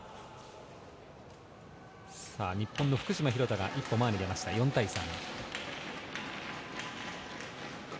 日本の福島、廣田が一歩前に出て４対３。